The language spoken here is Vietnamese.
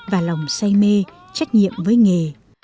và lòng say mê trách nhiệm với nghề